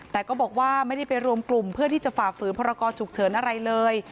แต่ก็บอกว่าไม่ได้ไปรวมกลุ่มเพื่อที่จะฝ่าฝืนพรกรฉุกเฉินอะไรเลย